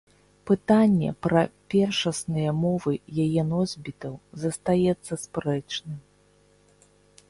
Пытанне пра першасныя мовы яе носьбітаў застаецца спрэчным.